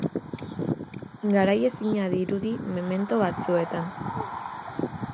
Garaiezina dirudi memento batzuetan.